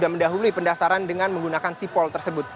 mendahului pendaftaran dengan menggunakan sipol tersebut